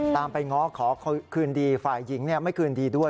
ตามไปง้อขอคืนดีฝ่ายหญิงไม่คืนดีด้วย